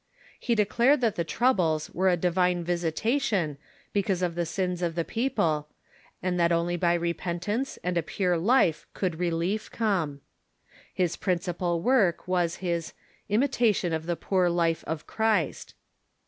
He declared that the troubles were a divine visitation because of the sins of the people, and that only by repentance and a pure life could relief come. His principal work was his " Im itation of the Poor Life of Christ."